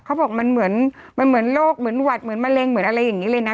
เขาบอกมันเหมือนมันเหมือนโรคเหมือนหวัดเหมือนมะเร็งเหมือนอะไรอย่างนี้เลยนะ